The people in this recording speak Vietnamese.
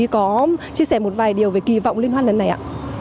đồng chí có chia sẻ một vài điều về kỳ vọng liên hoan lần này ạ